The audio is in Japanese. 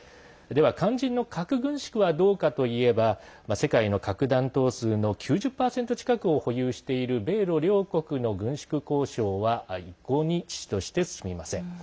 肝心の核軍縮はどうかといえば世界の核弾頭数の９０％近くを保有している米ロ両国の軍縮交渉は一向に遅々として進みません。